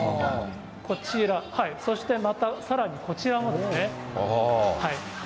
こちら、そしてまた、さらにこちらもですね。